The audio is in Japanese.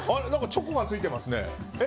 チョコがついていますね